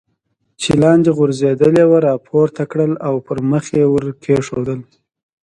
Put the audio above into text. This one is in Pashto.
چې لاندې غورځېدلې وه را پورته کړل او پر مخ یې ور کېښودل.